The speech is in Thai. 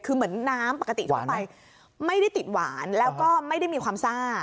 คือเหมือนน้ำปกติทั่วไปไม่ได้ติดหวานแล้วก็ไม่ได้มีความซ่า